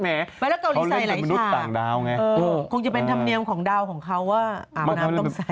แม้แล้วเกาหลีใส่ไหนชะคงจะเป็นธรรมเนียมของดาวของเขาว่าอาหารน้ำต้องใส่